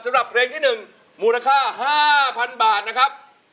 สำหรับเพลงที่๑มูลค่า๕๐๐๐บาทนะครับ